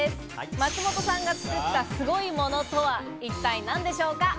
松本さんが作ったすごいものとは一体何でしょうか？